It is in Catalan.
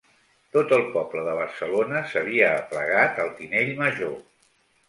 Tot el poble de Barcelona s'havia aplegat al tinell major.